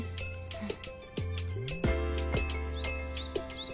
うん。